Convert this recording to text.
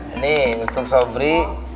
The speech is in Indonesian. ini untuk sobri